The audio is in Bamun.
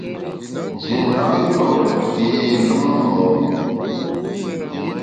Nji na lo’ té lùm mo’.